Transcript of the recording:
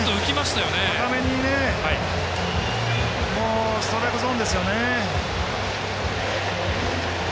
高めにストライクゾーンですよね。